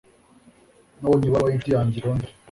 Nabonye ibaruwa yincuti yanjye i Londres.